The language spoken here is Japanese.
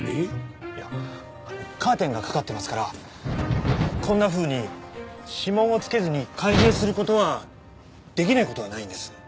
いやカーテンがかかってますからこんなふうに指紋をつけずに開閉する事は出来ない事はないんです。